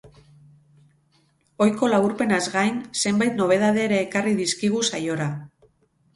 Ohiko laburpenaz gain, zenbait nobedade ere ekarri dizkigu saiora.